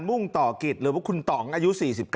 มุ่งต่อกิจหรือว่าคุณต่องอายุ๔๙